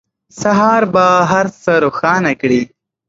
سهار به هر څه روښانه کړي.